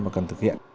và cần thực hiện